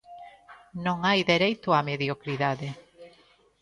Non hai dereito á mediocridade.